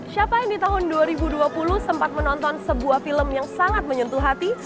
siapa yang di tahun dua ribu dua puluh sempat menonton sebuah film yang sangat menyentuh hati